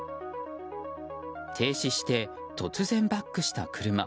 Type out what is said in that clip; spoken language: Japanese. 停止して、突然バックした車。